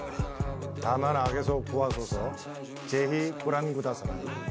ぜひ、ご覧ください。